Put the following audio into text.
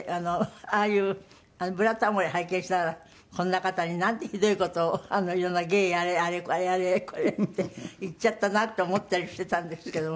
ああいう『ブラタモリ』を拝見しながらこんな方になんてひどい事を色んな芸やれあれやれこれやれって言っちゃったなって思ったりしていたんですけども。